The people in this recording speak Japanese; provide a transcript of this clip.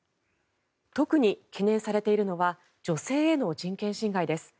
特に、懸念されているのは女性への人権侵害です。